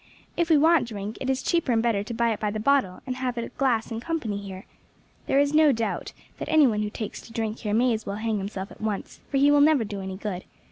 If we want drink, it is cheaper and better to buy it by the bottle, and have a glass in company here. There is no doubt that any one who takes to drink here may as well hang himself at once, for he will never do any good.